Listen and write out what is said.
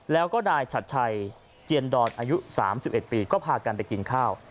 แล้วก็นายชัดชัยเจียนดอนอายุ๓๑ปีก็พากันไปกินข้าว